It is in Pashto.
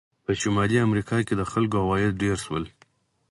په شمالي امریکا کې د خلکو عواید ډېر شول.